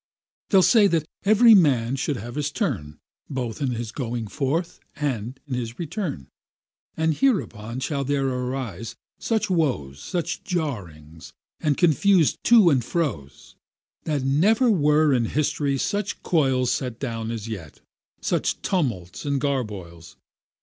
They'll say that every man should have his turn, Both in his going forth and his return; And hereupon there shall arise such woes, Such jarrings, and confused to's and fro's, That never were in history such coils Set down as yet, such tumults and garboils.